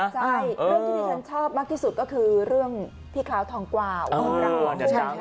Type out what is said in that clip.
ใช่เรื่องที่ที่ฉันชอบมากที่สุดก็คือเรื่องพี่ขาวทองกวาวของเรา